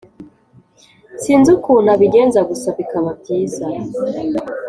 sinzi ukuntu abigenza gusa bikaba byiza